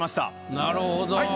なるほど。